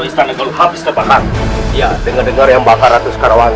setelah itu kita akan mencari siliwangi